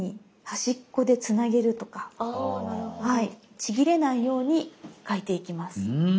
ちぎれないように描いていきます。